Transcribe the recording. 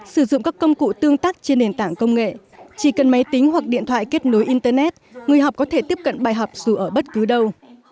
sử dụng các công cụ tương tác trên nền tảng công nghệ chỉ cần máy tính hoặc điện thoại kết nối internet người học có thể tiếp cận bài học dù ở bất cứ đâu